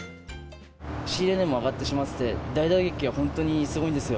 仕入れ値も上がっていまして、大打撃が本当にすごいんですよ。